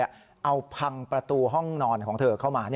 เอาพังประตูห้องนอนของเธอเข้ามา